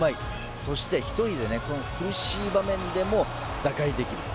そして１人で、苦しい場面でも打開できる。